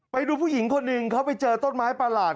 ไปดูผู้หญิงคนหนึ่งเขาไปเจอต้นไม้ประหลาด